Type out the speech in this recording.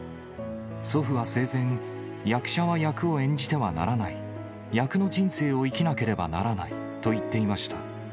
祖父は生前、役者は役を演じてはならない、役の人生を生きなければならないと言っていました。